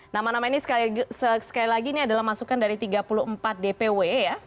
nama nama ini sekali lagi ini adalah masukan dari tiga puluh empat dpw ya